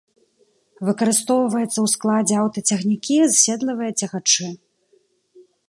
Выкарыстоўваецца ў складзе аўтацягнікі з седлавыя цягачы.